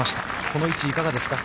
この位置、いかがですか。